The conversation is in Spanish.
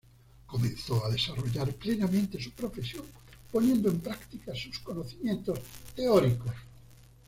Comenzó a desarrollar plenamente su profesión, poniendo en práctica sus conocimientos teóricos.